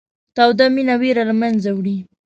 توده مینه وېره له منځه وړي.